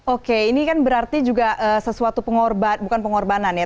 oke ini kan berarti juga sesuatu bukan pengorbanan ya